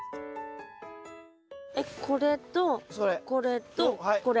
えっこれとこれとこれ。